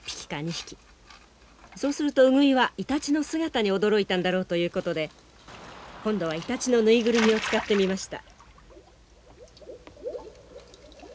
そうするとウグイはイタチの姿に驚いたんだろうということで今度はイタチの縫いぐるみを使ってみました。